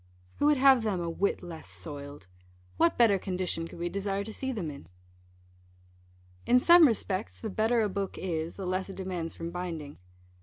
Who would have them a whit less soiled? What better condition could we desire to see them in? In some respects the better a book is, the less it demands from binding.